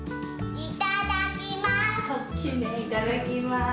いただきます。